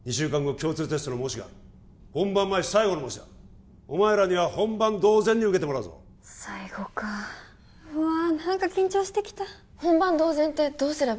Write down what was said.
共通テストの模試がある本番前最後の模試だお前らには本番同然に受けてもらうぞ最後かうわ何か緊張してきた本番同然ってどうすれば？